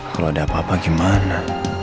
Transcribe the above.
kalau ada apa apa gimana